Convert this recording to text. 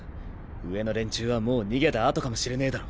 上の連中はもう逃げたあとかもしれねぇだろ。